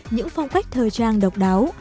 những phong cách thời trang độc đáo